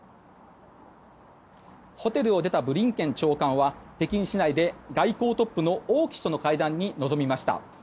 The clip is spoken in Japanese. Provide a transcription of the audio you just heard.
ホテルを出たブリンケン長官は北京市内で外交トップの王毅氏との会談に臨みました。